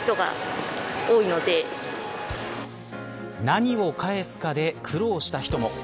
何を返すかで、苦労した人も。